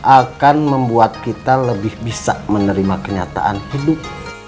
akan membuat kita lebih bisa menerima kenyataan hidup